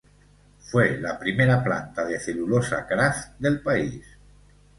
Fue la primera planta de celulosa kraft del país.